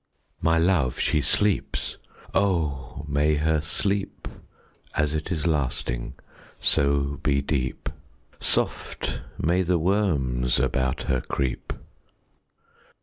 My love, she sleeps! Oh, may her sleep, As it is lasting, so be deep; Soft may the worms about her creep!